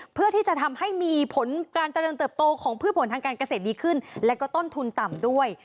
เพื่อที่จะทำให้มีผลการเจริญเติบโตของพืชผลทางการเกษตรดีขึ้นและก็ต้นทุนต่ำด้วย